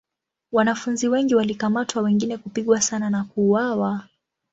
Wanafunzi wengi walikamatwa wengine kupigwa sana na kuuawa.